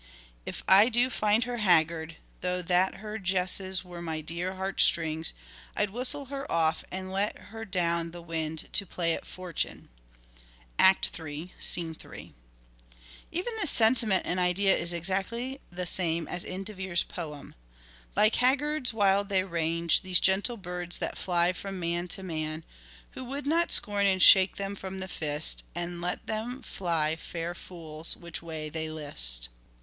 "If I do find her haggard, Though that her jesses were my dear heart strings, I'd whistle her off, and let her down the wind To play at fortune " (III, 3). Even the sentiment and idea is exactly the same as in De Vere's poem :" Like haggards wild they range, These gentle birds that fly from man to man. Who would not scorn and shake them from the fist And let them fly, fair fools, which way they list